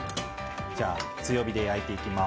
強火で焼いていきます。